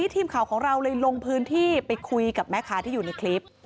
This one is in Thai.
ทีมข่าวของเราเลยลงพื้นที่ไปคุยกับแม่ค้าที่อยู่ในคลิป